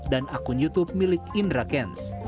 dan akun youtube milik indra kents